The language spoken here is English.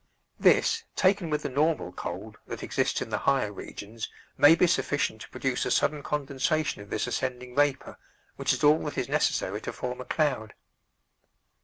This, taken with the normal cold that exists in the higher regions, may be sufficient to produce a sudden condensation of this ascending vapor, which is all that is necessary to form a cloud.